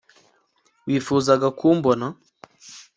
wifuzaga kumbona